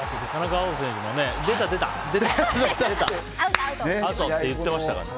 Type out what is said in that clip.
アウトって言ってましたからね。